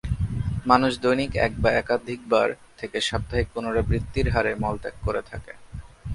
মানুষ দৈনিক এক বা একাধিকবার থেকে সাপ্তাহিক পুনরাবৃত্তির হারে মলত্যাগ করে থাকে।